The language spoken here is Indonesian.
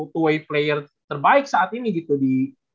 to way player terbaik saat ini gitu di